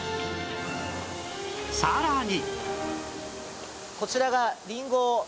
さらに